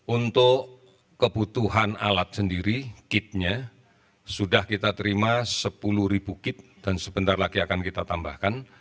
untuk kebutuhan alat sendiri kitnya sudah kita terima sepuluh kit dan sebentar lagi akan kita tambahkan